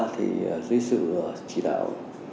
thì dưới sự chỉ đạo